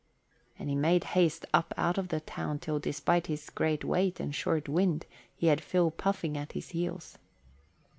And he made haste up out of the town till despite his great weight and short wind he had Phil puffing at his heels.